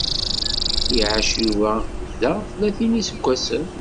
Iɛac Yuba da tlatin n iseggasen.